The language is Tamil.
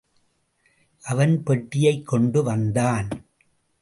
அவன் பெட்டியைக் கொண்டு வந்தான்.